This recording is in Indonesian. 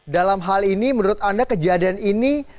dalam hal ini menurut anda kejadian ini